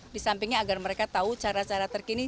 di sampingnya agar mereka tahu cara cara terkini